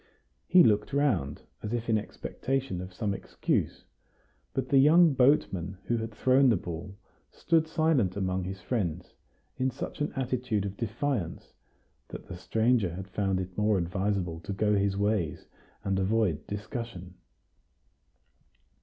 He looked round, as if in expectation of some excuse. But the young boatman who had thrown the ball stood silent among his friends, in such an attitude of defiance that the stranger had found it more advisable to go his ways and avoid discussion.